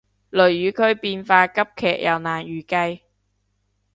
雷雨區變化急劇又難預計